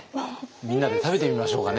みんなで食べてみましょうかね。